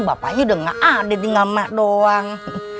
bapaknya udah nggak ada tinggal emak doang